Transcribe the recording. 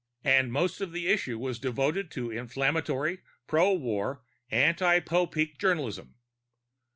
_ And most of the issue was devoted to inflammatory pro war anti Popeek journalism.